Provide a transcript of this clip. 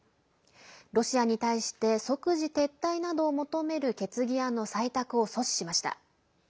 ロシアに対して即時撤退などを求める決議案の採択を阻止しました。